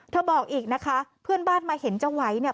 บอกอีกนะคะเพื่อนบ้านมาเห็นจะไหวเนี่ย